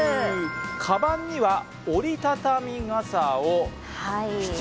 かばんには折りたたみ傘を。